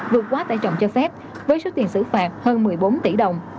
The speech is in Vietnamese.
vượt quá tải trọng cho phép với số tiền xử phạt hơn một mươi bốn tỷ đồng